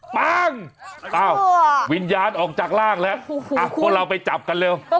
ปั้งวิญญาณออกจากร่างแล้วพวกเราไปจับกันเร็วโอ้โฮคุณ